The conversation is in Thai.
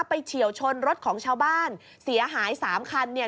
เฉียวชนรถของชาวบ้านเสียหายสามคันเนี่ย